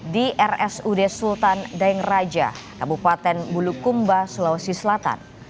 di rsud sultan daeng raja kabupaten bulukumba sulawesi selatan